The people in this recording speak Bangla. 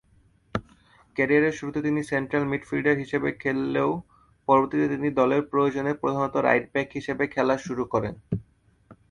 ক্যারিয়ারের শুরুতে তিনি সেন্ট্রাল মিডফিল্ডার হিসেবে খেললেও পরবর্তীতে তিনি দলের প্রয়োজনে প্রধানত রাইট ব্যাক হিসেবে খেলা শুরু করেন।